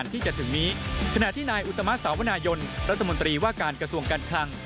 รัฐมนตรีว่าการกระทรวงการคลัง